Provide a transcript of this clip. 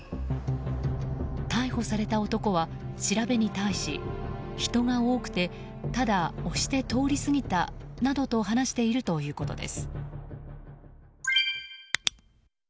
逮捕された男は調べに対し人が多くてただ押して通り過ぎた、などと話しているということです。